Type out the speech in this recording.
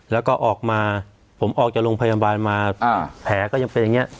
แล้วก็ออกมาผมออกจากโรงพยาบาลมาแผลก็ยังเป็นอย่างนี้